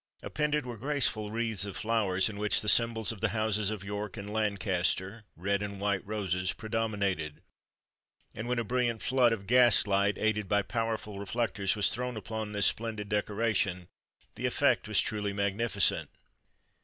Appended were graceful wreaths of flowers, in which the symbols of the Houses of York and Lancaster (red and white roses) predominated; and when a brilliant flood of gaslight, aided by powerful reflectors, was thrown upon this splendid decoration, the effect was truly magnificent.